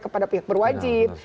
kepada pihak berwajib